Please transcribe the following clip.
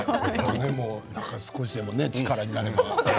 少しでも力になれば。